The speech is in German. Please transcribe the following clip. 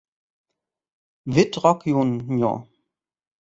Wittrock jun.